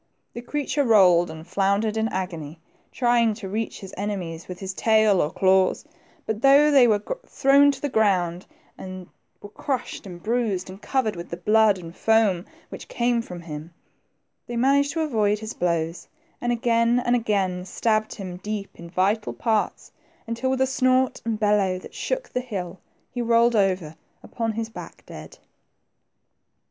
The creature rolled and floundered in agony, trying to reach his ene mies with his tail or claws, but though they were thrown to the ground, and were crushed, and bruised, and covered with the blood and foam which came from him, they managed to avoid his blows, and again and again scabbed him deep in vital parts, until with a snort and bellow that shook the hill, he rolled over upon his back dead.